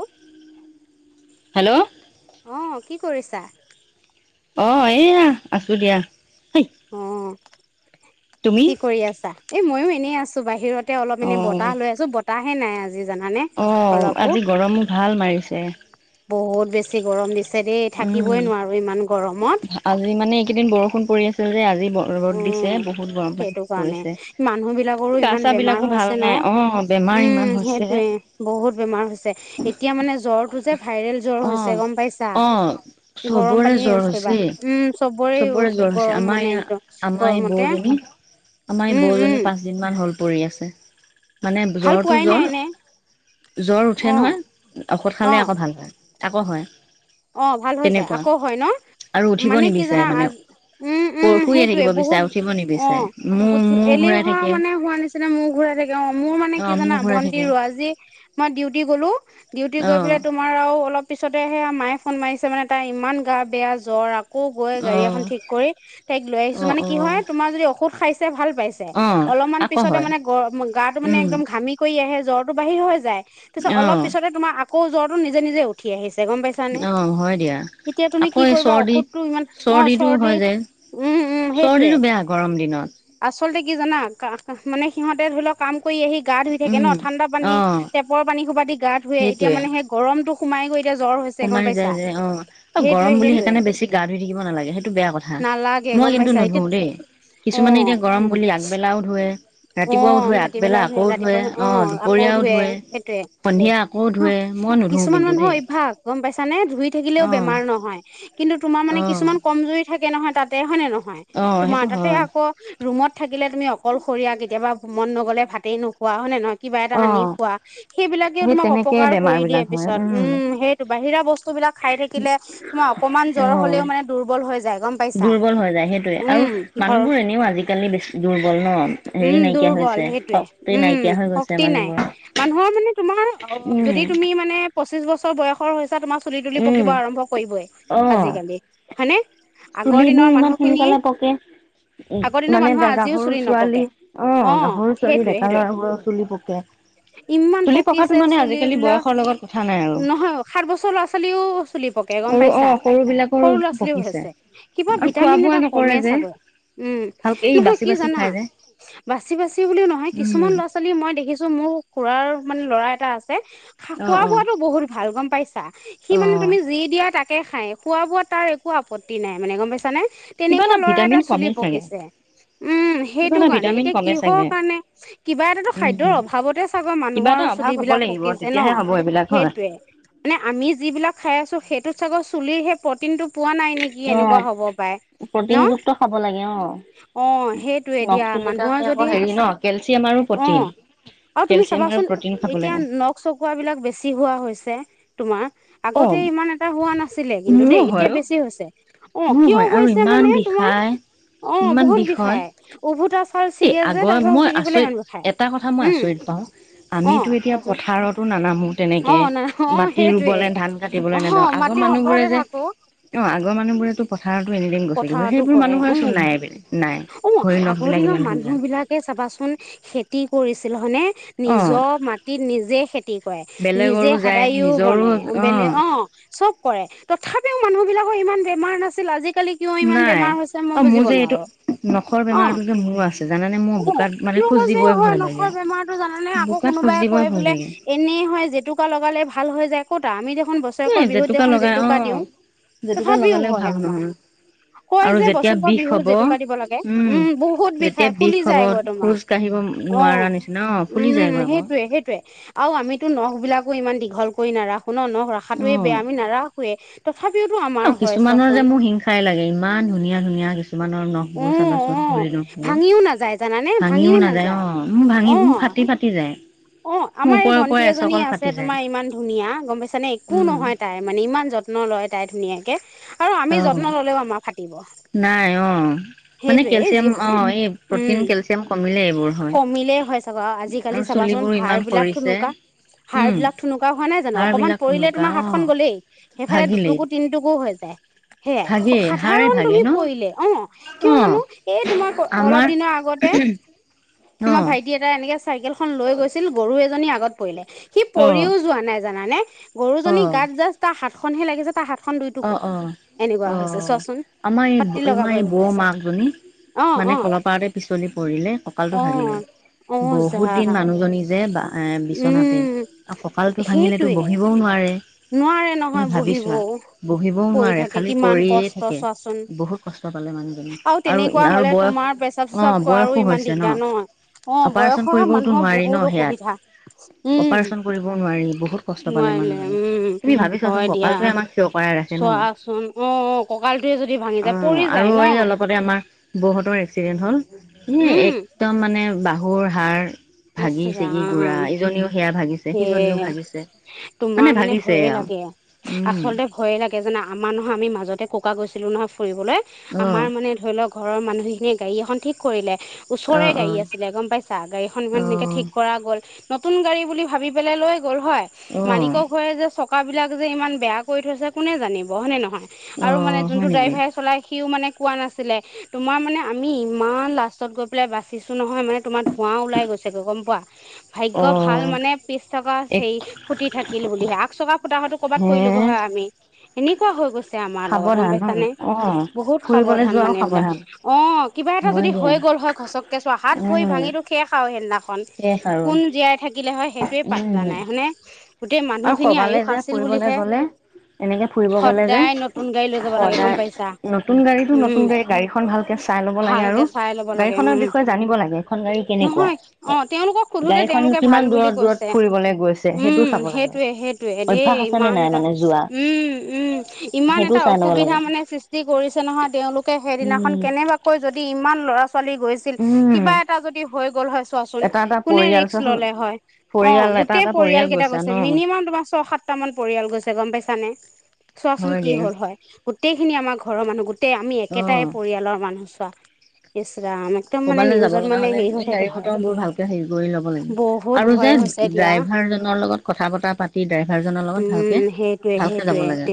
অঁ। হেল্ল! অঁ কি কৰিছা? অঁ, এয়া আছোঁ দিয়া। অঁ, কি কৰি আছা? এ মইওঁ এনেই আছোঁ বাহিৰত্ তে অলপ ইনেই বতাহ লৈ আছোঁ বতাহে নাই আজি। আজি জানানে অলপো বহুত বেছি গৰম দিছে দেই, থাকিবই নোৱাৰো ইমান গৰমত। আজি মানে এইকেইদিন বৰষুণ পৰি আছে যে আজি ব ৰ'দ দিছে বহুত গৰম পানী পৰিছে। গা-চা বিলাকো ভাল নাই। অঁ উম সেইটোয়ে বহুত বেমাৰ হৈছে। এতিয়া মানে জ্বৰটো যে ভাইৰেল জ্বৰ হৈছে গম পাইছে গৰম পানীয়ে ইউজ কৰিবা, উম চবৰে গৰম মানে একদম আমাৰ এই বৌজনী, আমাৰ এই বৌজনী পাঁচদিনমান হ'ল পৰি আছে। মানে জ্বৰটো জ্বৰ, জ্বৰ উঠে নহয় ঔষধ খালে আকৌ ভাল হয়। আকৌ হয়। অ ভাল হৈ যায় আকৌ হয় ন। মানে কি জানা, উম উম সেইটোয়ে বহুত অ। উঠ এলেহুৱা মানে হোৱা নিচিনা মোৰ ঘূৰাই থাকে, অ মোৰ মানে কি জানা ভণ্টিৰো আজি মই ডিউটি গ'লো, ডিউটি গৈ পেলাই তোমাৰ আৰু অলপ পিছতে সেয়া মায় ফোন মাৰিছে মানে তাৰ ইমান গা বেয়া জ্বৰ আক আকৌ গৈ গাড়ী এখন ঠিক কৰি তাইক লৈ আহিছো, মানে কি হয় তোমাৰ যদি ঔষধ খাইছে ভাল পাইছে অলপমান পিছতে মানে গ গাটো মানে একদম ঘামি কৰি আহে জ্বৰটো বাহিৰ হৈ যায়, তাৰপিছত অলপিছতে তোমাৰ আকৌ জ্বৰতো নিজে নিজে উঠিছে গম পাইছে? অ হয় দিয়া, আকৌ এই চৰ্দি চৰ্দিটো হয় যে। চৰ্দিটো বেয়া গৰম দিনত। আচলতে কি জানা কা-কা মানে সিহঁতে ধৰি লওক কাম কৰি আহি গা ধুই থাকে ন, ঠাণ্ডা পানী টেপৰ পানী সোপা দি গা ধুৱে এতিয়া মানে সেই গৰমটো গা সোমাই গৈ এতিয়া জ্বৰ হৈছে গম অ পাইছ গৰম বুলি সেইকাৰণে বেছি গা ধুই থাকিব নালাগে সেইটো বেয়া কথা। মই কিন্তু নুধু দেই। কিছুমানে এতিয়া গৰম বুলি আগবেলাও ধুৱে ৰাতিপুৱাও ধুৱে, আগবেলা আকৌ ধুৱে, অ দুপৰীয়াও ধুৱে, সন্ধিয়া আকৌ ধুৱে, মই নুধো কিন্তু দেই। গম পাইছা নে, ধুই থাকিলেও বেমাৰ নহয় কিন্তু তোমাৰ মানে কিছুমান কমজুৰি থাকে নহয় তাতে, হয় নে নহয়? তোমাৰ তাতে আকৌ ৰুমত থাকিলে তুমি অকলশৰীয়া কেতিয়াবা মন নগ'লে ভাতেই নোখোৱা হয় নে নহয়? কিবা এটা আনি খোৱা। সেইবিলাকেই তোমাক অপকাৰ কৰি দিয়ে পিছত, উম সেইটো। বাহিৰা বস্তু বিলাক খাই থাকিলে তোমাৰ অকনমান জ্বৰ হ'লেও মানে দুৰ্বল হৈ যায় গম দুৰ্বল হৈ যায় সেইটোয়ে আৰু মানুহবোৰ এনেও আজিকালি বেছি দুৰ্বল ন। হেৰি নাইকিয়া হৈছে, শক্তি নাইকিয়া হৈ গৈছে মানুহবোৰৰ। মানুহৰ মানে তোমাৰ অ যদি তুমি মানে পঁচিশ বছৰ বয়সৰ হৈছা তোমাৰ চুলি-তুলি পকিব আৰম্ভ কৰিবই আজিকালি হয়নে? চুলিবোৰ ইমান সোনকালে পকে, মানে গাভৰু ছোৱালী অ গাভৰু ছোৱালী ডেকা ল'ৰাবোৰৰ চুলি পকে। ইমান পকিছে চুলিবিলাক নহয়। নহয় সাত বছৰ ল'ৰা ছোৱালীও চুলি পকে গম পাইছা? সৰু ল'ৰা ছোৱালীও হৈছে। কিবা ভিটামিন এটা কমে চাগৈ উম, পিছে কি জানা বাচি বাচি বুলিও নহয়, কিছুমান ল'ৰা ছোৱালী মই দেখিছো মোৰ খুুৰাৰ মানে ল'ৰা এটা আছে খোৱা-বোৱাটো বহুত ভাল গম পাইছা, সি মানে তুমি যি দিয়া তাক তাকে খাই, খোৱা বোৱা তাৰ একো আপত্তি নাই মানে গম পাইছানে? তেনেকুৱা ল'ৰা এটা চুলি পকিছে, উম সেই কাৰণে এতিয়া কিহৰ কাৰণে কিবা এটাটো খাদ্যৰ অভাৱতে চাগৈ মানুহৰ চুলিবিলাক পকি ন সেইটোৱে। মানে আমি যিবিলাক খাই আছো সেইটোত চাগৈ চুলিৰ সেই প্ৰটিনটো পোৱা নাই নেকি এনেকুৱা হ'ব পাৰে ন? অ সেইটোয়ে মানুহৰ যদি অ, আৰু তুমি চাবাচোন এতিয়া নখ [unintelligible] বিলাক বেছি হোৱা হৈছে তোমাৰ। আগতে ইমান এটা হোৱা কিন্তু দেই এতিয়া বেছি হৈছে। মোৰ হয় আৰু ইমান বিষায় ইমান বিষয় হয়। এই আগৰ মই আচৰিত এটা কথা মই আচৰিত পাওঁ। আমিতো এতিয়া পথাৰতো, নানামোঁ তেনেকৈ মাটি ৰুবলৈ ধান, কাটি। কাটিলৈ নাযাওঁ আগৰ মানুহ বোৰে যে অ আগৰ মানুহ বোৰেো পথাৰতো এ কথাতটো কৰে উ উ আগৰ দিনৰ মানুহ বিলাক এই চাবাচোন খেতি কৰিছিল হয়নে। নিজৰ মাটিত নিজে খেতি কৰে নিজে সদায়ও বনে বেলেগ অ চব কৰে তথাপিও মানুহ বিলাকৰ ইমান বেমাৰ নাছিল আজিকালি। কিয় ইমান বেমাৰ হৈছে মই বুজিব নোৱাৰো। অ অ কি যে হয় নখৰ বেমাৰতো জানানে আকৌ। কোনোবাই কয় বোলে এনেই হয় জেতুকা, লগালে ভাল হৈ যায় ক'তা আমি দেখোন বস্তু। বিহুত দেখোন জেতুকা, দিওঁ তথাপিও হয় আমাৰ। কই যে বছৰকৰৰ বিহুত জেতুকা, কাটিব লাগে উম বহুত বিষাই ফুলি যায়গৈ তোমাৰ। অ উম সেইটোৱে -সেইটয়ে আৰু আমিতো নখ বিলাকো ইমান দীঘল কৰি নাৰাখ শো ন নখ, ৰখাতটোৱে বেয়া আমি নাৰাখ। শুৱে তথাপিওত আমাৰ হয় শস্য। চাই লাগে ইমান ধুনীয়া- ধুনীয়া কিছুমানৰ নখবোৰ, চাবাচোন ভৰি নখবোৰ। ভাঙিও নাযায় অ, মোৰ মোৰ ফাটি- ফাটি যায়। অ আমাৰ এই ভণ্টি এজনী আছে তোমাৰ ইমান ধুনীয়া গম পাইছানে একো নহয় তাই। মানে ইমান যত্ন লয় তাই ধুনীয়াকে আৰু আমি যত্ন ল'লেও আমাৰ ফাটিব। নাই অ মানে কেলচিয়াম, অ এই প্ৰটিন, কেলচিয়াম কমিলে এইবোৰ হয়। আজিকালি চাবাচোন হাাৰ বিলাক থুনুকা। হাাৰ বিলাক থুনকুৱা হোৱা নাই জানো অকমান পৰিলে তোমাৰ হাতখন গলেই সেইফালে দুটোকো তিন হৈ যায় সেয়াই সাধাৰণ পৰিলে অ কিয় জানো এই তোমাক অলপ দিনৰ আগতে অঁ এটা এনেকে চাইকেলখন, লৈ গৈছিল গৰু, এজনী আগত। পৰিলে সি পৰিও যোৱা নাই জানে গৰুজনী, গাত জাচ্ তাৰ হাত খনহে লাগিছে তাৰ হাত অ অ অ আমাৰ এই আমাৰ এই বৌ, মাকজনী। মানে কলপাৰতে, পিছলি পৰিলে ককালটো, ভাগিলে বহুত দিন মানুহজনী। যে বিচনাতে আৰু কঁকালটো, ভাঙিলেতো বহিবও নোৱাৰে। নোৱাৰে নহয় বহিবও। বহিবও নোৱাৰে খালী পৰিয়েই থাকে বহুত কষ্ট পালে মানুহজনী আৰু আৰু বয়স। অ বয়সো হৈছে ন। অপাৰেচন, কৰিবওতো নোৱাৰি ন সেয়াত অপাৰচন কৰিবও নোৱাৰি বহুত কষ্ট পালে মানুহ। তুমি ভাবিছোৱাচোন কপালটোৱে আমাক কৰাই ৰাখে ন অ আৰু এই অলপতে আমাৰ বৌ হেতৰ এক্সিডেণ্ট হ'ল এই একদম মানে বাহুৰ হাৰ ভাগি চিগি গুড়ৰা ইজনীও সেয়া ভাগিছে সিজনীও ভাগিছে। মানে ভাগিছে আৰু উম ভয়ে লাগে যেনে আমাৰ নহয় আমি মাজতে ককা, গৈছিলোঁ নহয় ফুৰিবলৈ আমাৰ মানে। ধৰি লও ঘৰ মানুহখিনিয় গাড়ী এখন ঠিক কৰিলে ওচৰে গাড়ী আছিলে গম পাইছা গাড়ীখন। ইমান ধুনীয়া কে ঠিক কৰা গ'ল নতুন গাড়ী বুলি ভাবি পেলাই লৈ গ'ল হয়। মালিকেও গৈছে। চকাকাবিলাক যে ইমান বেয়া কৰি থৈছে কোনে জানিব হয়নে নহয়। আৰু মানে যোনটো ড্ৰাইভাৰে চলাই সিও মানে কোৱা নাছিলে তোমাৰ মানে আমি ইমান লাষ্টত গৈ পেলাই বাচিছোঁ নহয় মানে তোমাৰ হোুৱাও ওলাই গৈছেগৈ গম পোৱা। ভাগ্য ভাল মানে পিছ চকা হেৰি ফুটি থাকিল বুলিহে আগ চকা ফুটা হয়টো ক'ৰবাত পৰিলগৈ হয় আমি এনেকুৱা হৈ গৈছে আমাৰ লগত গ'ম পাইছানে, বহুত সাৱধান মানে এইবিলাক। অ' কিবা এটা যদি হৈ গ'ল হয় খচকে চোৱা হাত ভৰি ভাঙি ত সেইদিনাখন কোন জীয়াই থাকিলে সেইটোৱে পাত্তা নাই হয়নে? গোটেই মানুহখিনি আয়ুস আছিল বুলিহে। সদায় নতুন গাড়ী লৈ যাব লাগে গ'ম পাইছা? উম। ভালকে চাই ল'ব লাগে উম। নহয়, অ' তেওঁলোকক সোধোতে তেওঁলোকে ভাল বুলি কৈছে। উম উ সেইটো সেইটোৱে দেই ইমান এটা উম, উম ইমান এটা অসুবিধা মানে সৃষ্টি কৰিছে নহয় তেওঁওলোকে। সেইদিনাখন কেনেবা কৈ যদি ইমান ল'ৰা ছোৱালী গৈছিল কিবা এটা যদি হে গ'ল হয় চোৱাচোন কোনে ৰিক্স ললে হয়। অ' গোটেই পৰিয়াল কেইটা গৈছে। মিনিমাম তোমাৰ ছ ছয় সাতটা মান পৰিয়াল গৈছে গ'ম পাইছানে? চোৱাচোন কি হ'ল হয়‌?, গোটেইখিনি আমাৰ ঘৰৰ মানুহ গোটেই আমি একেটাই পৰিয়ালৰ মানুহ চোৱা। ইছ ৰাম একদম মানে নিউজৰ মানে হেৰি হৈ গাড়ী মটৰবোৰ ভালকৈ হেৰি কৰি লব লাগে। আৰু যে ড্ৰাইভাৰ জন ৰ লগত কথা বতৰা পাতি ড্ৰাইভাৰ ভাৰজনৰ লগত ভালকে ভালকে যাব লাগে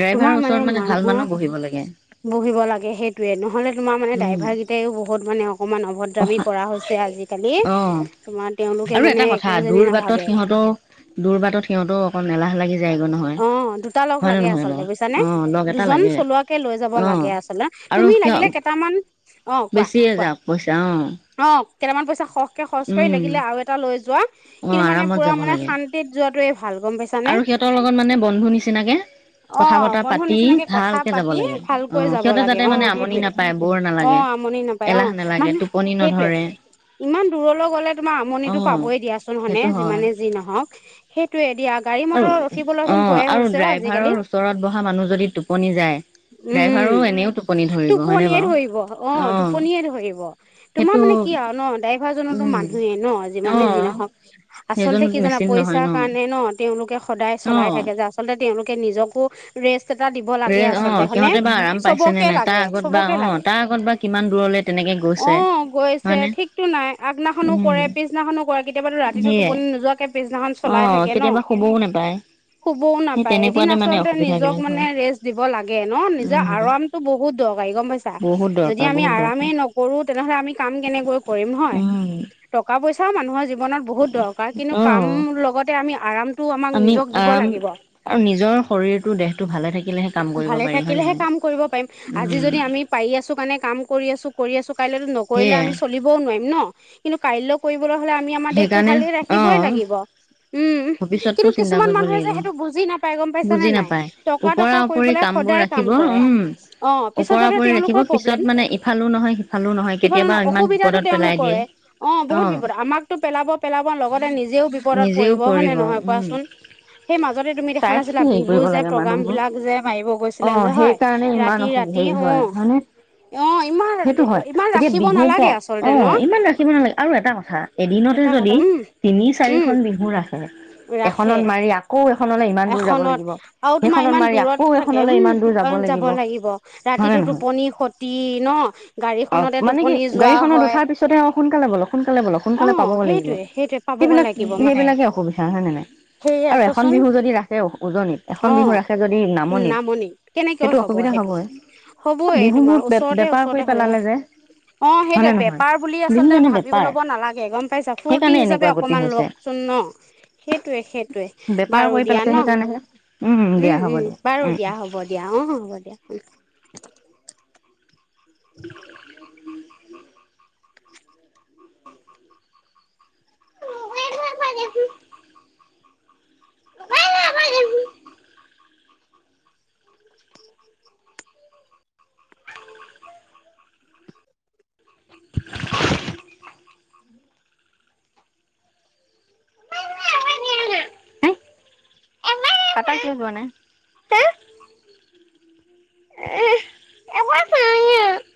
ড্ৰাইভাৰৰ ওচৰত মানে ভাল মানুহ বহিব লাগে। বহিব লাগে সেইটোৱে নহ'লে তোমাৰ মানে ড্ৰাইভাৰ কেইটাইও বহুত মানে অকণমান অভদ দ্ৰামি কৰা হৈছে আজিকালি, তোমাৰ তেওঁলোকে মানে একো যে নাভাবে। দূৰাবাটত সিহ'তৰো অকন এলাহ লাগি যায়। অ' দুটা লগ লাগে আচলতে বুইছা নে? দুজন চলোৱাকে লৈ যাব লাগে আচলতে। তুমি লাগিলে কেইটামান, অ' কোৱা কোৱা অ' কেইটামান পইচা খৰছ ৰহকে খৰচ কৰি লাগিলে আৰু এটা লৈ যোৱা। কিন্তু মানে পুৰা মানে শান্তিত যোৱাতোৱে ভাল। গ'ম পাইছা নে? ত মানে বন্ধু নিচিনাকে। কথা বতৰা পাতি ভালকে যাব লাগে। অ' সিহঁতে যাতে মানে আমনি নাপায় ব'ৰ নালাগে। এলাহ নালাগে টোপনি নধৰে ইমান দূৰলৈ গ'লে তোমাৰ আমনিতো পাবই দিয়াচোন হয়নে যিমানে যি নহওঁক। সেইটোৱে দিয়া, গাড়ী মটৰৰ অ' আৰু ড্ৰাইভাৰৰ ওচৰত বহা মানুহ যদি টোপনি যায়। উম, টোপনিয়ে ধৰিব অ' টোপনিয়ে ধৰিব। তোমাৰ মানে কি আৰু ন ড্ৰাইভাৰ জনো মানুহেই ন যিমানে যি নহওঁক আচলতে কি জানা পইচাৰ কাৰণে ন, তেওঁলোকে সদায় চলাই থাকে যে আচলতে তেওঁলোকে নিজকো ৰেষ্ট এটা দিব লাগে আচলতে হয়নে, চবকে লাগে চবকে লাগে। অ' গৈছে ঠিকতো নাই, আগদিনাখনো কৰে পিছদিনাখনো কৰে কেতিয়াবাতো ৰাতিটো টোপনি নোযোৱাকে পিছদিনাখন চলাই থাকে ন? শুবও নাপায়। শুবও নাপায়, এদিন আচলতে নিজক মানে ৰেষ্ট দিব লাগে ন, নিজে আৰাম টো বহুত দৰকাৰী গ'ম পাইছা। যদি আমি আৰামেই নকৰোঁ তেনেহ'লে আমি কাম কেনেকৈ কৰিম হয়? টকা পইচাও মানুহৰ জীৱনত বহুত দৰকাৰ, কিন্তু কাম লগতে আমি আৰামটো আমাক নিজক দিব দিব লাগিব। আৰু নিজৰ শৰীৰটো দেহটো ভালে থাকিলেহে কাম কৰিব পাৰি হয় নে নাই? উম। পাৰি আছো কাৰনে কৰি আছো কৰি আছো কাইলৈ নকৰিলে আমি চলিবও নোৱাৰিম ন। কিন্তু কাইলৈ কৰিবলৈ হ'লে আমি আমাৰ দেহতটো ভালে ৰাখিবই লাগিব। উম কিন্তু কিছুমান মানুহে সেইটো বুজি নাপাই গ'ম পাইছ নে নাই। টকা টকা কৰি পেলাই সদায় কাম কৰে। অহ। পিছত যাই পেলাই তেওঁলোকৰ প্ৰব্লেম। সিফালে অসুবিধাটো তেওঁলোকৰে। অ বহুত বিপদ আমাকতো পেলাব পেলাব লগতে নিজেও বিপদত পৰিব, হয় নে নহয় কোৱাচোন? সেই মাজতে তুমি দেখা নাছিলা বিহু যে প্ৰগ্ৰাম বিলাক যে মাৰিব গৈছিলা যে হয়। কাৰনে ইমান অশোক হয় হয়নে? সেইটো হয় এতিয়া বিহুৰ প অ ইমান ৰাখিব নালাগে আৰু এটা কথা এদিনতে যদি তিনি চাৰিখন বিহু ৰাখে এখনত মাৰি আ আকৌ এখনলৈ ইমান দূৰ যাব লাগিব সেইখনত মাৰি আকৌ এখনলৈ ইমান দূৰ যাব লাগিব। হয়নে নহয়, অ মানে কি গাড়ীখনত উঠাৰ পিছতে অ সোনকালে বলক সোনকালে বলক সোনকালে পাবগৈ লাগিব। সেইবিলাক সেইবিলাকে অসুবিধা হয়নে নাই? আৰু এখন বিহু যদি ৰাখে উজনিত এখন বিহু ৰাখে যদি নামনিত সেইটো অসুবিধা হ'বই বিহুবোৰ বে বেপাৰ কৰি পেলালে যে। অ সেইটোৱে বেপাৰ বুলি আচলতে ভাবি ল'ব নালাগে গম পাইছা। ফূৰ্তি হিচাপে অকমান লওকচোন ন, সেইটোয়ে সেই টোৱে, বাৰু দিয়া ন উম উম বাৰু দিয়া হ'ব। দিয়া অ হ'ব দিয়া। [unintelligible] [inaudible] [inaudible] [inaudible]